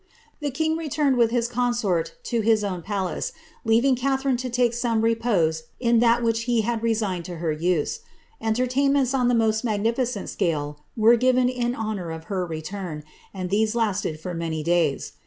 The king retanid with his consort to his own palace, leaving Catliarine to take aonw re pose in that which he had resigned to her use. Entertainments on ik most magnificent scale were given in honour of her return, and tlNM lasted for many days.